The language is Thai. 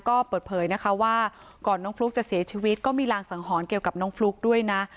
ก็เปิดเผยนะคะว่าก่อนน้องฟลุ๊กจะเสียชีวิตก็มีรางสังหรณ์เกี่ยวกับน้องฟลุ๊กด้วยนะ